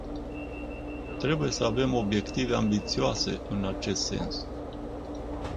Trebuie să avem obiective ambițioase în acest sens.